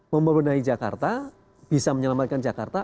membenahi jakarta bisa menyelamatkan jakarta